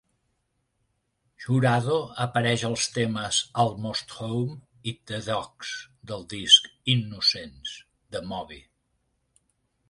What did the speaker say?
Jurado apareix als temes "Almost Home" i "The Dogs" del disc "Innocents" de Moby.